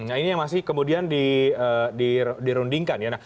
nah ini yang masih kemudian di rundingkan ya